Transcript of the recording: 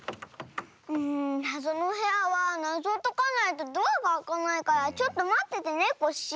なぞのおへやはなぞをとかないとドアがあかないからちょっとまっててねコッシー。